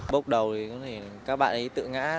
bốc đầu thì các bạn ấy tự ngã